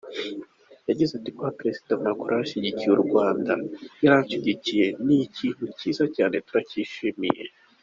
Yagize ati ‘‘Kuba Perezida Macron yarashyigikiye u Rwanda, yaranshyigikiye ni ikintu cyiza cyane twarabishimye.